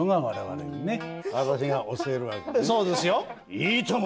いいとも！